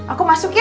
aku masuk ya